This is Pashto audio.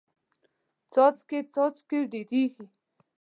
څاڅکې څاڅکې ډېریږي.